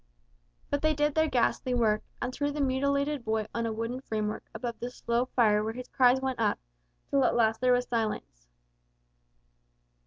But they did their ghastly work, and threw the mutilated boy on a wooden framework above the slow fire where his cries went up, till at last there was silence.